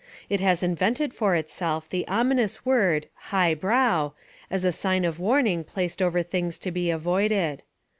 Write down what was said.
It has invented for itself the ominous word "high brow" as a sign of warning placed over things to be avoided.